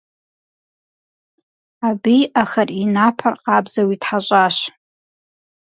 Абы и ӏэхэр, и напэр къабзэу итхьэщӏащ.